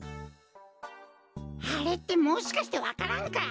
あれってもしかしてわか蘭か！？